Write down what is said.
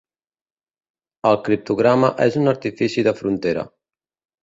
El criptograma és un artifici de frontera.